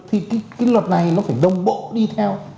thì cái luật này nó phải đồng bộ đi theo